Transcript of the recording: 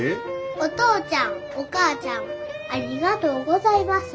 お父ちゃんお母ちゃんありがとうございます。